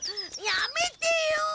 やめてよ！